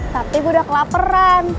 tapi gue udah kelaperan